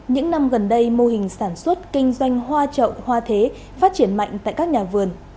những năm gần đây mô hình sản xuất kinh doanh hoa trậu hoa thế phát triển mạnh tại các nhà vườn